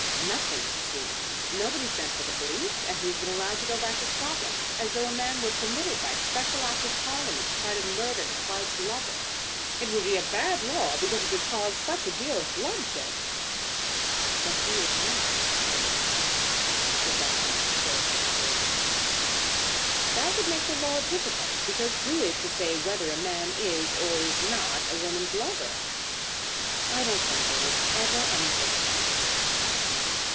"Nothing, it seems. Nobody sent for the police, and he has been allowed to go back to Scotland, as though a man were permitted by special Act of Parliament to try to murder his wife's lover. It would be a bad law, because it would cause such a deal of bloodshed." "But he is not Lady Laura's lover," said Madame Goesler, gravely. "That would make the law difficult, because who is to say whether a man is or is not a woman's lover?" "I don't think there was ever anything of that kind."